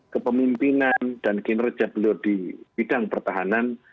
kepemimpinan dan kinerja beliau di bidang pertahanan